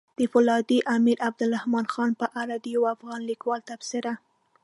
د فولادي امير عبدالرحمن خان په اړه د يو افغان ليکوال تبصره!